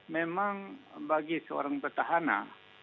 memang bagi seorang pertahanan